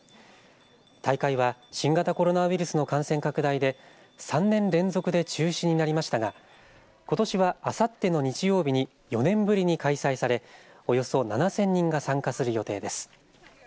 大会は新型コロナウイルスの感染拡大で３年連続で中止になりましたがことしは、あさっての日曜日に４年ぶりに開催されおよそ７０００人が参加する予定です。